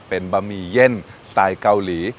เป็นบะหมี่เย่นสไตล์เกาหลี